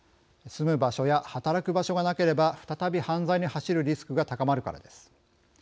住む場所や働く場所がなければ再び犯罪に走るリスクが高まるからです。